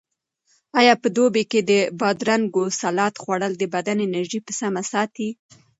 آیا په دوبي کې د بادرنګو سالاډ خوړل د بدن انرژي په سمه ساتي؟